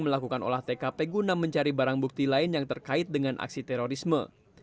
melakukan olah tkp guna mencari barang bukti lain yang terkait dengan aksi terorisme